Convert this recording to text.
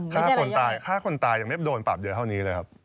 ฆ่าคนตายฆ่าคนตายยังไม่โดนปรับเยอะเท่านี้เลยครับ